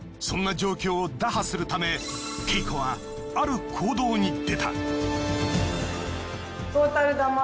そんな状況を打破するためＫＥＩＫＯはある行動に出た。